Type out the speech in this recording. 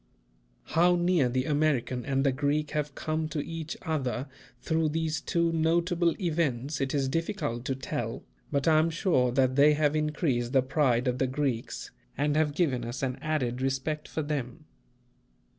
How near the American and the Greek have come to each other through these two notable events, it is difficult to tell; but I am sure that they have increased the pride of the Greeks, and have given us an added respect for them.